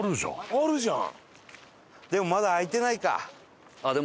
あるじゃん！